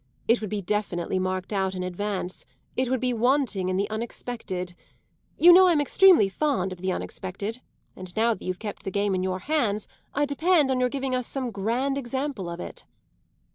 It would be definitely marked out in advance; it would be wanting in the unexpected. You know I'm extremely fond of the unexpected, and now that you've kept the game in your hands I depend on your giving us some grand example of it."